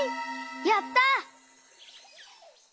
やった！